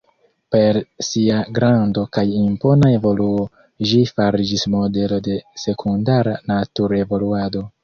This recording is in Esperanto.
Per sia grando kaj impona evoluo ĝi fariĝis modelo de sekundara natur-evoluado.